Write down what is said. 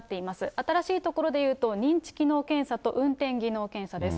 新しいところでいうと、認知機能検査と運転技能検査です。